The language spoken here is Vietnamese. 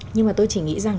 nhưng mà tôi chỉ nghĩ rằng